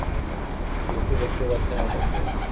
কেউ কি দেখতে পাচ্ছেন ওটাকে?